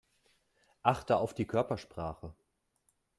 Achte auf die Körpersprache.